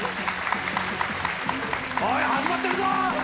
おい始まってるぞ！